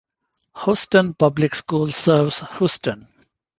Houston Public Schools serves Houston.